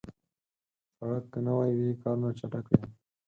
سړک که نوي وي، کارونه چټک وي.